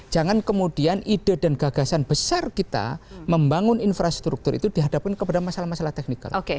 jangan kemudian ide dan gagasan besar kita membangun infrastruktur itu dihadapkan kepada masalah masalah teknikal